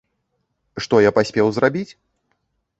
Што я паспеў зрабіць?